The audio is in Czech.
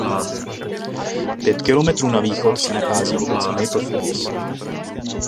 Pět kilometrů na východ se nachází obec Maple Falls.